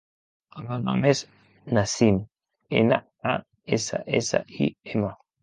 El meu nom és Nassim: ena, a, essa, essa, i, ema.